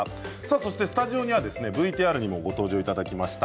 スタジオにはＶＴＲにご登場いただきました